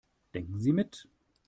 Denken Sie mit.